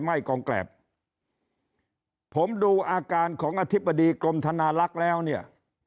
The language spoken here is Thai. ไหม้กองแกรบผมดูอาการของอธิบดีกรมธนาลักษณ์แล้วเนี่ย